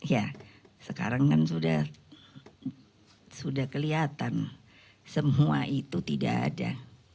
ya sekarang kan sudah kelihatan semua itu tidak ada